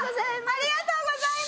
ありがとうございます！